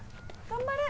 頑張れ！